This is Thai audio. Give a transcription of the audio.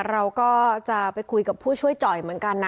เราก็จะไปคุยกับผู้ช่วยจ่อยเหมือนกันนะ